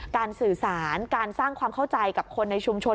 สื่อสารการสร้างความเข้าใจกับคนในชุมชน